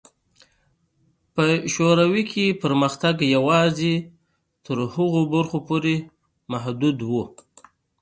په شوروي کې پرمختګ یوازې تر هغو برخو پورې محدود و.